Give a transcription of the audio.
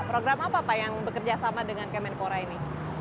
program apa pak yang bekerja sama dengan kemenpora ini